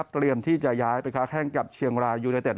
เตรียมที่จะย้ายไปค้าแข้งกับเชียงรายยูเนเต็ด